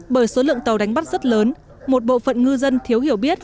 bởi số lượng tàu đánh bắt rất lớn một bộ phận ngư dân thiếu hiểu biết